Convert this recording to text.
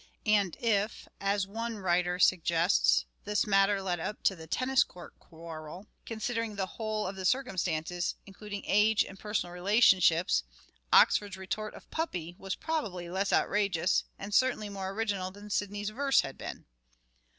And if, as one writer suggests, this matter led up to the tennis court quarrel, considering the whole of the circumstances, including age and personal relationships, Oxford's retort of " puppy " was possibly less outrageous, and certainly more original than Sidney's verse had been.